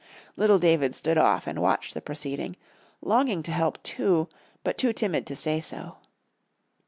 Little David stood off and watched the proceeding, longing to help too, but too timid to say so.